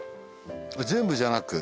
全部じゃなく？